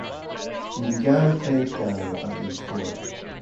He began playing piano at age four.